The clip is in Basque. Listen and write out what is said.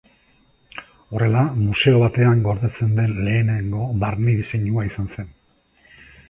Horrela, museo batean gordetzen den lehenengo barne-diseinua izan zen.